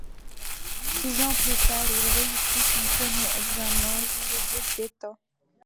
Six ans plus tard, il réussit son premier examen juridique d'État.